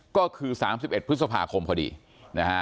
ก็คือ๓๑พฤษภาคมพอดีนะฮะ